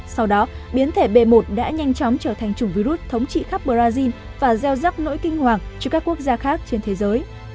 sau đó biến thể b một đã nhanh chóng trở thành chủng virus thống trị khắp brazil và gieo rắc nỗi kinh hoàng cho các quốc gia khác trên thế giới